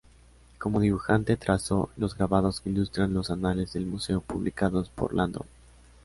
Como dibujante trazó los grabados que ilustran los anales del Museo publicados por Landon.